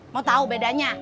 mau tahu bedanya